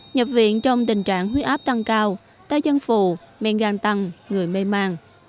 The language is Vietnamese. nhập viện trong tình trạng huyết áp tăng cao tay chân phù men gan tăng người mê mang